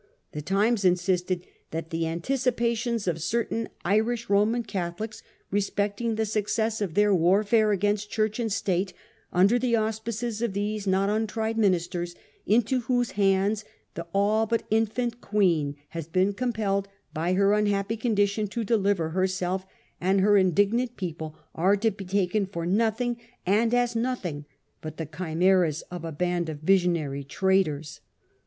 The Times insisted that 1 the anticipations of certain Irish Roman Catholics respecting the success of their war fare against Church and State under the auspices of these not untried ministers into whose hands the all but infant Queen has been compelled by her unhappy condition to deliver herself and her indignant people, . are to be taken for nothing, and as no thing , but the chimeras of a band of visionary traitors.